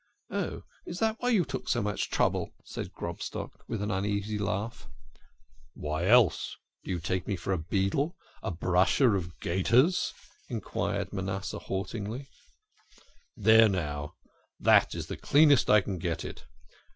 "Oh, is that why you took so much trouble?" said Grobstock, with an uneasy laugh. " Why else ? Do you take me for a beadle, a brasher of gaiters? " enquired Manasseh haughtily. " There now ! that is the cleanest I can get it.